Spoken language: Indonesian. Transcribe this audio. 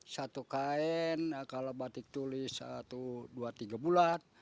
satu kain kalau batik tulis satu dua tiga bulan